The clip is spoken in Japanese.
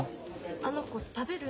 あの子食べる？